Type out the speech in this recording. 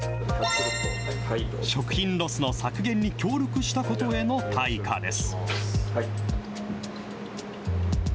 食品ロスの削減に協力したことへの対価です。